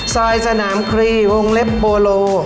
ซอยสนามครีวงเล็บโปโล